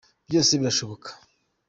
Byose birashoboka.